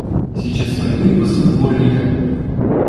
Сейчас пойду и позову дворника!